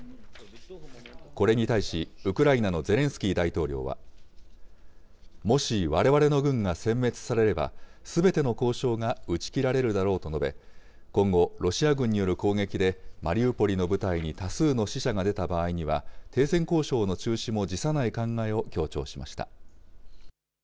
これに対し、ウクライナのゼレンスキー大統領は、もしわれわれの軍がせん滅されれば、すべての交渉が打ち切られるだろうと述べ、今後、ロシア軍による攻撃でマリウポリの部隊に多数の死者が出た場合には、停戦交渉の中止も辞さない考えを強調しました。